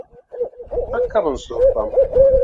A kabi n suhu pam.